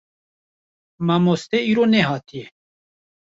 Mamoste îro nehatiye.